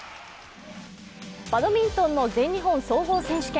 バドミントンの全日本総合選手権。